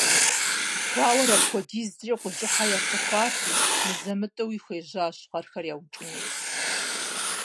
Гуауэр апхуэдизкӀэ гущӀыхьэ ящыхъуати, мызэ-мытӀэуи хуежьащ гъэрхэр яукӀыну.